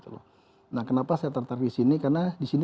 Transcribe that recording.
nah kenapa saya tertarik disini karena disini